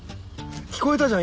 聞こえたじゃん